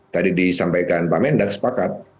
tadi disampaikan pak mendak sepakat